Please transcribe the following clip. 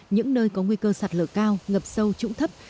những nơi có nguy cơ sạt lở cao ngập sâu trũng thấp